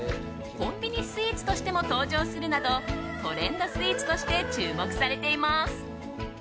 コンビニスイーツとしても登場するなどトレンドスイーツとして注目されています。